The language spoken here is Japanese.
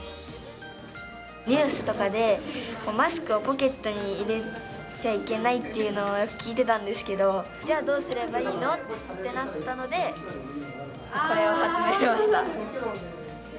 ニュースとかでマスクをポケットに入れちゃいけないっていうのを聞いてたんですけど、じゃあ、どうすればいいのってなったので、これを発明しました。